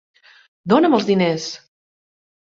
Dona'm els diners!